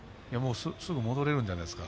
すぐに戻れるんじゃないですか。